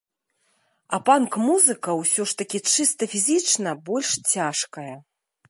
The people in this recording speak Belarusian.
А панк-музыка ўсё ж такі чыста фізічна больш цяжкая.